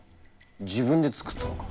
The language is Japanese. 自分で作ったのか。